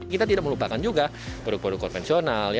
kita tidak melupakan juga produk produk konvensional